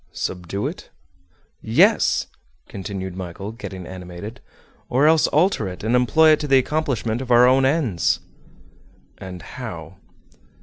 "Subdue it?" "Yes," continued Michel, getting animated, "or else alter it, and employ it to the accomplishment of our own ends." "And how?"